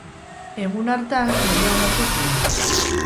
Egun hartan, deia onartu zuen.